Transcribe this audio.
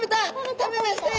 食べましたよ！